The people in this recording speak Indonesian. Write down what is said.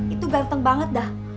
itu ganteng banget dah